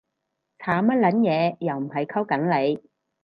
慘乜撚嘢？，又唔係溝緊你